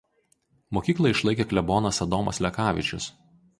Mokyklą išlaikė klebonas Adomas Lekavičius.